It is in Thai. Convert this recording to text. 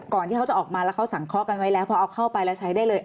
ที่เขาจะออกมาแล้วเขาสังเคราะห์กันไว้แล้วพอเอาเข้าไปแล้วใช้ได้เลย